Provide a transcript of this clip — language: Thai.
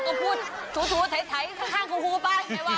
อะก็พูดถูถ่ายข้างครูป่ะ